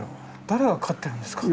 誰が飼ってるんですか？